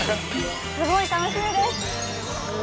すごい楽しみです！